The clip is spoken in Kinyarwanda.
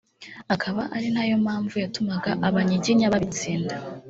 akaba ari nayo mpamvu yatumaga Abanyiginya babitsinda